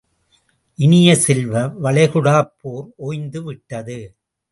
இனிய செல்வ, வளைகுடாப்போர் ஓய்ந்து விட்டது.